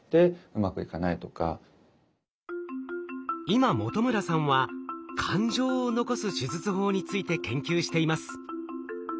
今本村さんは感情を残す手術法について研究しています。